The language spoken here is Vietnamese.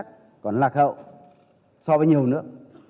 cơ khí chính sách còn lạc hậu so với nhiều nữa